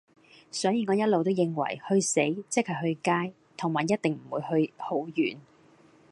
所以我一路都認為，去死，即系去街，同埋一定唔會去好遠